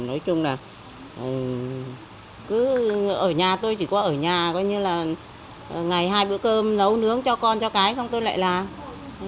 ở nhà tôi chỉ có ở nhà có như là ngày hai bữa cơm nấu nướng cho con cho cái xong tôi lại làm